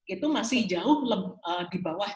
itu masih jauh di bawah